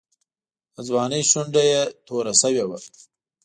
د ځوانۍ شونډه یې توره شوې وه.